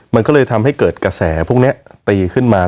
มันก็เลยทำให้เกิดกระแสพวกนี้ตีขึ้นมา